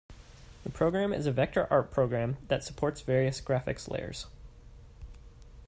The program is a vector art program that supports various graphics layers.